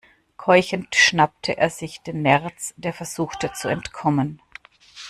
Keuchend schnappte er sich den Nerz, der versuchte zu entkommen.